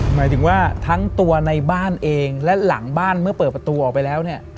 หมายถึงว่าทั้งตัวในบ้านเองและหลังบ้านเมื่อเปิดประตูออกไปแล้วเนี่ย